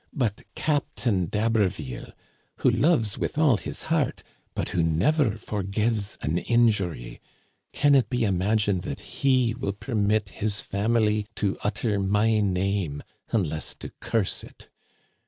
But Captain d'Haber ville, who loves with all his heart, but who never forgives an injury, can it be imagined that he will permit his family to utter my name, unless to curse it